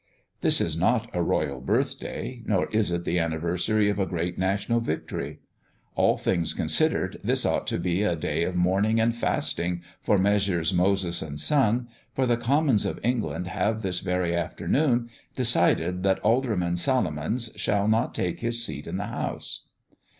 This is not a royal birthday, nor is it the anniversary of a great national victory. All things considered, this ought to be a day of mourning and fasting for Messrs. Moses and Son, for the Commons of England have this very afternoon decided that Alderman Salomons shall not take his seat in the House.